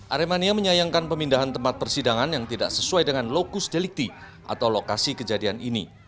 aremania menyayangkan pemindahan tempat persidangan yang tidak sesuai dengan lokus delikti atau lokasi kejadian ini